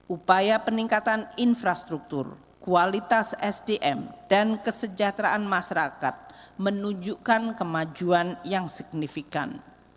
upaya peningkatan infrastruktur kualitas sdm dan kesejahteraan masyarakat menunjukkan kemajuan yang signifikan